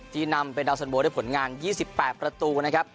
นำเป็นดาวสันโบด้วยผลงาน๒๘ประตูนะครับ